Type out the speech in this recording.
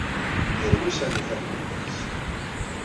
Yerwi Sami tameddurt-is.